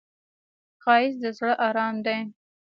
ښایست د زړه آرام دی